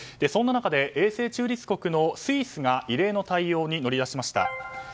そんな中で永世中立国のスイスが異例の対応に乗り出しました。